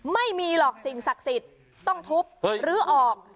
ไม่มีหรอกสิ่งศักดิ์สิทธิ์ต้องทุบหรือออก